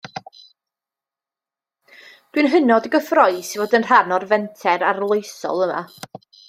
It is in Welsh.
Dwi'n hynod gyffrous i fod yn rhan o'r fenter arloesol yma